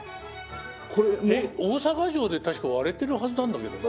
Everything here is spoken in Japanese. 大坂城で確か割れてるはずなんだけどな。